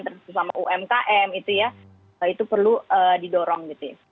terutama umkm itu ya itu perlu didorong gitu ya